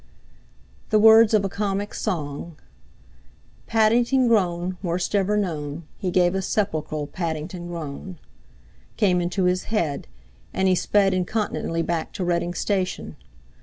The words of a comic song— "Paddington groan worst ever known He gave a sepulchral Paddington groan—" came into his head, and he sped incontinently back to Reading station.